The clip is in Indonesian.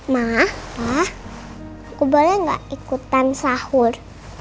ma aku boleh gak ikutan sahur